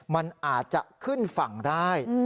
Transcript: มันอาจจะขึ้นฝั่งได้